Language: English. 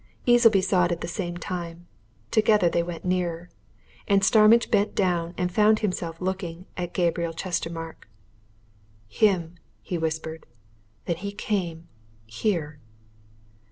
Easleby saw it at the same time together they went nearer. And Starmidge bent down and found himself looking at Gabriel Chestermarke. "Him!" he whispered. "Then he came here!"